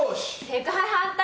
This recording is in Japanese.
セクハラ反対！